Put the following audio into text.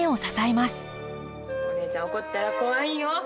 お姉ちゃん怒ったら怖いんよ。